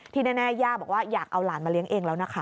แน่ย่าบอกว่าอยากเอาหลานมาเลี้ยงเองแล้วนะคะ